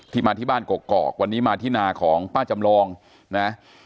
มาที่บ้านกอกวันนี้มาที่นาของป้าจำลองนะ